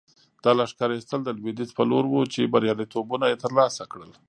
دا لښکر ایستل د لویدیځ په لور وو چې بریالیتوبونه یې ترلاسه کړل.